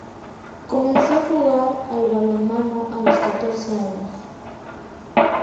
Comenzó a jugar al balonmano a los catorce años.